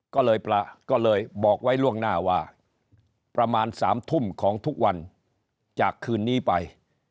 ก็เลยบอกไว้ล่วงหน้าว่าประมาณ๓ทุ่มของทุกวันจากคืนนี้ไป